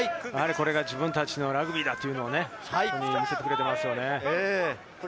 これが自分たちのラグビーというのをやってくれていますよね。